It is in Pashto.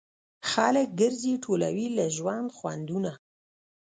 خلک ګرځي ټولوي له ژوند خوندونه